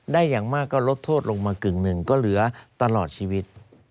อย่างมากก็ลดโทษลงมากึ่งหนึ่งก็เหลือตลอดชีวิต